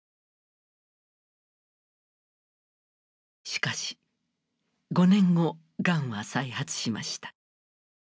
しかし５年後がんは再発しました。